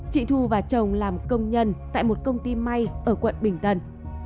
chị thu và chồng làm công nhân tại một công ty may ở quận bình tân